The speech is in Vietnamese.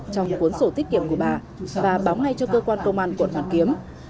trong cuốn sổ tiết kiệm của bà và báo ngay cho cơ quan công an quận hoàn kiếm